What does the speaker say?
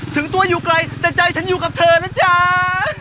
ถึงตัวอยู่ไกลแต่ใจฉันอยู่กับเธอนะจ๊ะ